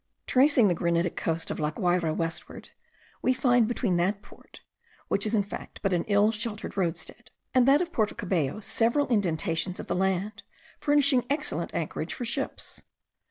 Tracing the granitic coast of La Guayra westward, we find between that port (which is in fact but an ill sheltered roadstead) and that of Porto Cabello, several indentations of the land, furnishing excellent anchorage for ships.